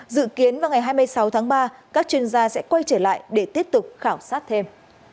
dự kiến vào ngày hai mươi sáu tháng ba các chuyên gia sẽ quay trở lại để tiếp tục khảo sát thêm